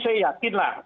saya yakin lah